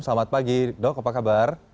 selamat pagi dok apa kabar